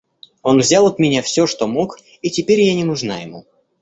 Он взял от меня всё, что мог, и теперь я не нужна ему.